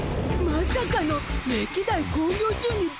まさかの歴代興行収入第一位！